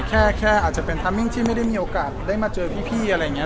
แค่อาจจะเป็นทามมิ้งที่ไม่ได้มีโอกาสได้มาเจอพี่อะไรอย่างนี้